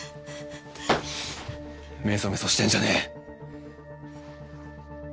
めそめそしてんじゃねえ！